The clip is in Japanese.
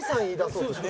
そうですね。